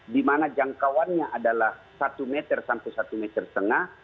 di mana jangkauannya adalah satu meter sampai satu meter setengah